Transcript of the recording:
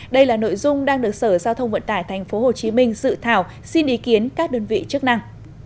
đây là nội dung đang được sở giao thông vận tải tp hcm dự thảo xin ý kiến các đơn vị chức năng